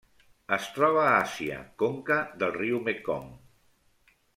Es troba a Àsia: conca del riu Mekong.